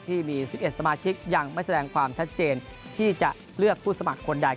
ที่มี๑๑สมาชิกยังไม่แสดงความชัดเจนที่จะเลือกผู้สมัครคนใด